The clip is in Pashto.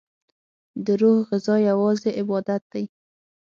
دروح غذا یوازی عبادت دی